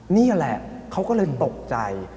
นี่แหละเขาก็เลยตกใจ